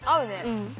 うん。